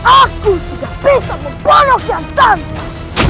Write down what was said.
aku sudah bisa membunuh kian sata